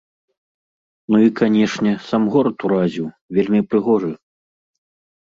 Ну і канечне, сам горад уразіў, вельмі прыгожы.